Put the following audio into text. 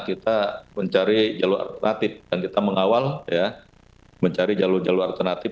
kita mencari jalur alternatif dan kita mengawal mencari jalur jalur alternatif